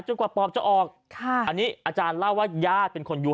กว่าปอบจะออกค่ะอันนี้อาจารย์เล่าว่าญาติเป็นคนอยู่